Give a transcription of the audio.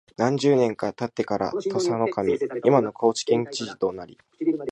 何十年か経ってから土佐守（いまの高知県知事）となり、